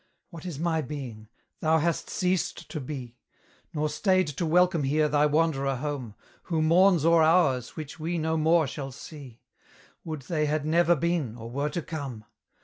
What is my being? thou hast ceased to be! Nor stayed to welcome here thy wanderer home, Who mourns o'er hours which we no more shall see Would they had never been, or were to come!